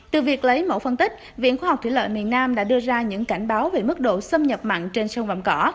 từ việc lấy mẫu phân tích viện khoa học thủy lợi miền nam đã đưa ra những cảnh báo về mức độ xâm nhập mặn trên sông vạm cỏ